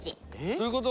どういうこと？